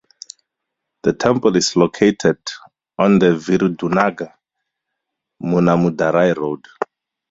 The temple is located on the Virudhunagar–Manamadurai road.